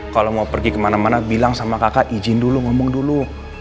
kalau mau pergi kemana mana bilang sama kakak izin dulu ngomong dulu